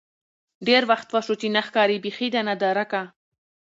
ډېر وخت وشو چې نه ښکارې بيخې ده نادركه.